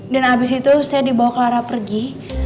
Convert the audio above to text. dan abis itu saya dibawa clara pergi